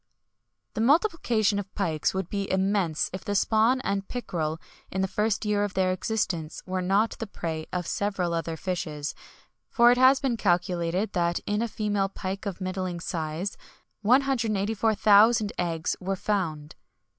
[XXI 136] The multiplication of pikes would be immense if the spawn and pickrel, in the first year of their existence, were not the prey of several other fishes; for it has been calculated that in a female pike of middling size 184,000 eggs were found.